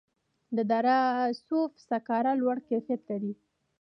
د دره صوف سکاره لوړ کیفیت لري